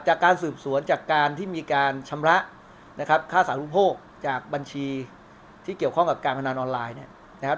จากการสืบสวนจากการที่มีการชำระนะครับค่าสาธุโภคจากบัญชีที่เกี่ยวข้องกับการพนันออนไลน์เนี่ยนะครับ